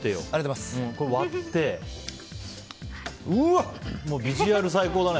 割ってビジュアル最高だね。